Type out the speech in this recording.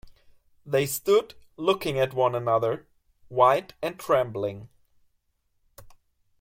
They stood looking at one another, white and trembling.